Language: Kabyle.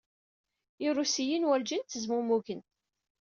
Irusiyen werjin ttezmumugen.